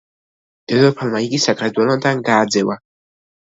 დედოფალმა იგი საქართველოდან გააძევა.